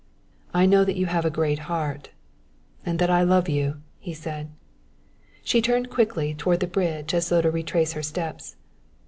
"I know that you have a great heart and that I love you," he said. She turned quickly toward the bridge as though to retrace her steps.